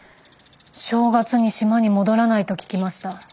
正月に島に戻らないと聞きました。